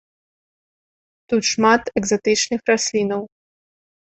Тут шмат экзатычных раслінаў.